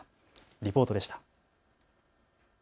リポートでした。